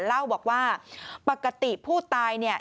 เล่าบอกว่าปกติผู้ตายเนี่ย